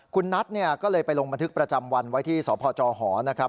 คุณนัทเนี่ยก็เลยไปลงบันทึกประจำวันไว้ที่สพจหนะครับ